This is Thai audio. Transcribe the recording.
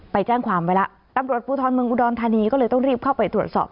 ไปแจ้งความไว้แล้วตำรวจภูทรเมืองอุดรธานีก็เลยต้องรีบเข้าไปตรวจสอบ